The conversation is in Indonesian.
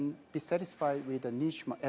dan bersatisfis dengan pasar